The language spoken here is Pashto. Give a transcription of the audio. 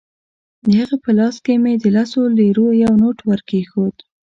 د هغه په لاس کې مې د لسو لیرو یو نوټ ورکېښود.